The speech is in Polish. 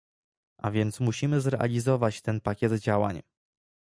A więc musimy zrealizować ten pakiet działań